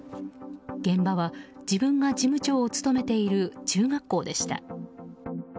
現場は自分が事務長を務めている中学校でした。